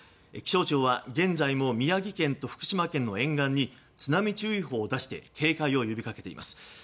気象庁は現在も宮城県と福島県の沿岸に津波注意報を出して警戒を呼びかけています。